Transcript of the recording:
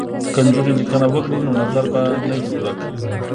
که نجونې لیکنه وکړي نو نظر به نه وي ورک.